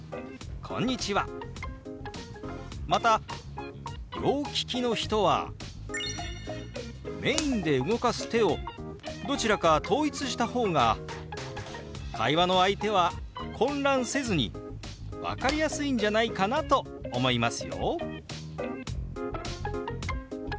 また両利きの人はメインで動かす手をどちらか統一した方が会話の相手は混乱せずに分かりやすいんじゃないかなと思いますよ！